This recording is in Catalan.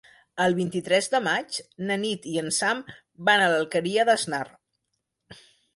El vint-i-tres de maig na Nit i en Sam van a l'Alqueria d'Asnar.